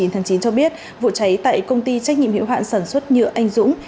chín tháng chín cho biết vụ cháy tại công ty trách nhiệm hiệu hạn sản xuất nhựa anh dũng